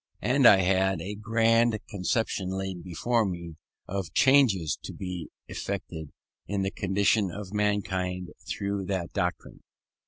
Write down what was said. And I had a grand conception laid before me of changes to be effected in the condition of mankind through that doctrine.